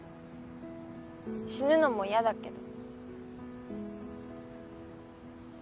死ぬのも嫌だけど。